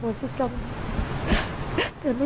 แต่ลูกชายนี่ก็ต้องหอบขับเราได้เลย